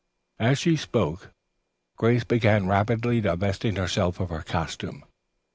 As she spoke, Grace began rapidly divesting herself of her costume.